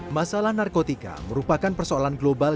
masalah narkotika merupakan persoalan global